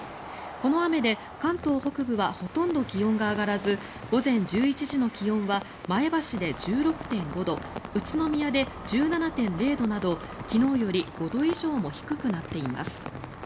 この雨で関東北部はほとんど気温が上がらず午前１１時の気温は前橋で１６．５度宇都宮で１７．０度など昨日より５度以上も低くなっています。